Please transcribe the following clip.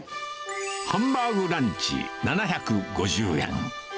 ハンバーグランチ７５０円。